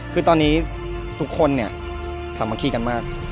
คือตอนนี้ทุกคนเนี่ยสามัคคีกันมาก